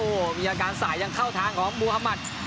โอ้โหมีอาการสายยังเข้าทางของมูฮามัติ